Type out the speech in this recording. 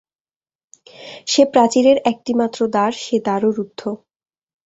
সে প্রাচীরের একটিমাত্র দ্বার, সে দ্বারও রুদ্ধ।